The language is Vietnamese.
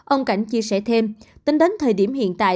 ông cảnh chia sẻ thêm tính đến thời điểm hiện tại